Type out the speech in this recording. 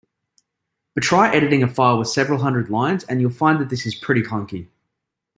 But try editing a file with several hundred lines, and you'll find that this is pretty clunky.